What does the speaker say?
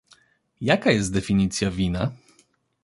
Jaka jest definicja wina?